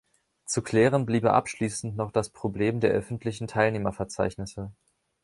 Zu klären bliebe abschließend noch das Problem der öffentlichen Teilnehmerverzeichnisse.